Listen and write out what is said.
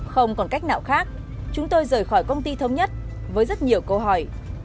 không còn cách nào khác chúng tôi rời khỏi công ty thống nhất với rất nhiều câu hỏi